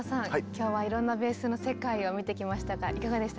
今日はいろんなベースの世界を見てきましたがいかがでしたでしょうか？